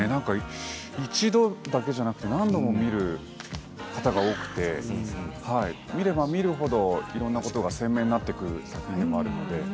１度だけでなく何度も見る方が多くて見れば見るほどいろいろなことが鮮明になってくるんですよね。